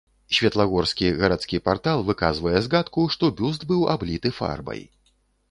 Светлагорскі гарадскі партал выказвае згадку, што бюст быў абліты фарбай.